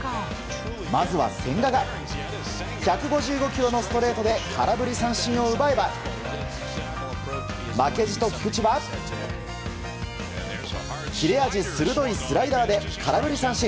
まずは千賀が１５５キロのストレートで空振り三振を奪えば負けじと菊池は切れ味鋭いスライダーで空振り三振。